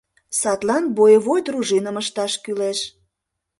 Садлан боевой дружиным ышташ кӱлеш.